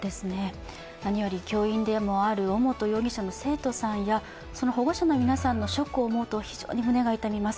何より教員でもある尾本容疑者の生徒さんやその保護者の皆さんのショックを思うと、非常に胸が痛みます。